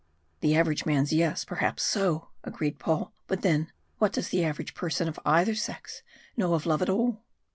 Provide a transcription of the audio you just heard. "The average man's yes, perhaps so," agreed Paul. "But then, what does the average person of either sex know of love at all?"